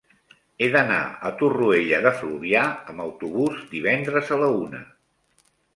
He d'anar a Torroella de Fluvià amb autobús divendres a la una.